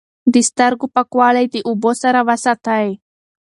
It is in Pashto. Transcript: د سترګو پاکوالی د اوبو سره وساتئ.